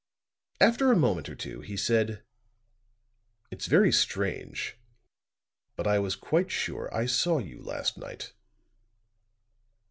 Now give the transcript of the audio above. After a moment or two, he said: "It's very strange; but I was quite sure I saw you last night."